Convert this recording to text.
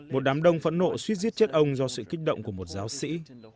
một đám đông phẫn nộ suýt giết chết ông do sự kích động của một giáo sĩ